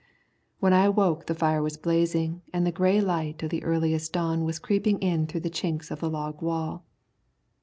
When I awoke the fire was blazing and the grey light of the earliest dawn was creeping in through the chinks of the log wall.